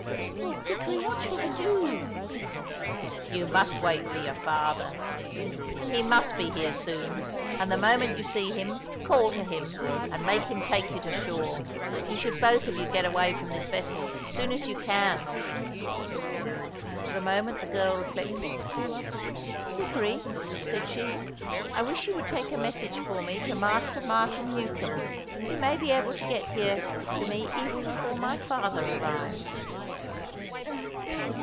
"Oh, Dickory, what shall I do?" "You must wait for your father," he said; "he must be here soon, and the moment you see him, call to him and make him take you to shore. You should both of you get away from this vessel as soon as you can." For a moment the girl reflected. "Dickory," said she, "I wish you would take a message for me to Master Martin Newcombe. He may be able to get here to me even before my father arrives."